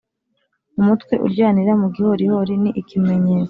umutwe uryanira mugihorihori ni ikimenyetso